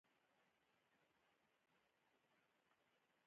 د خوار کلمې تکرار متل ته ښکلا ورکړې ده